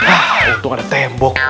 ah untung ada tembok